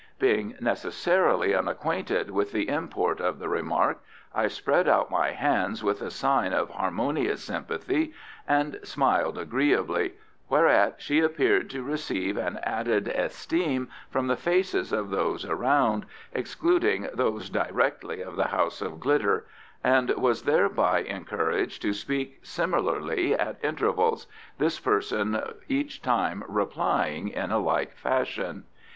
Being necessarily unacquainted with the import of the remark I spread out my hands with a sign of harmonious sympathy and smiled agreeably, whereat she appeared to receive an added esteem from the faces of those around (excluding those directly of the House of Glidder), and was thereby encouraged to speak similarly at intervals, this person each time replying in a like fashion.